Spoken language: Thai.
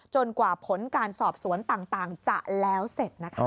กว่าผลการสอบสวนต่างจะแล้วเสร็จนะคะ